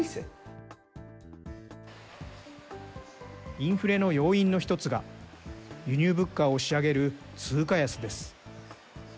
インフレの要因の一つが、輸入物価を押し上げる通貨安です。